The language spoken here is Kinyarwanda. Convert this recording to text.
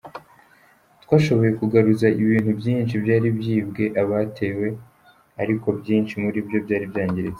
Twashoboye kugaruza ibintu byinshi byari byibwe abatewe ariko byinshi muri byo byari byangiritse.